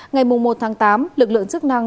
ngày một tháng tám lực lượng chức năng